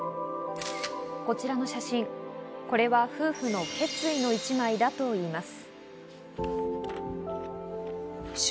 こちらの写真、これは夫婦の決意の１枚だといいます。